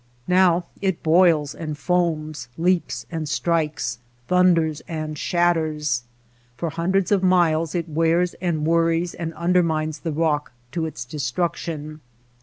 Now it boils and foams, leaps and strikes, thunders and shatters. For hundreds of miles it wears and worries and undermines the rock to its destruc tion.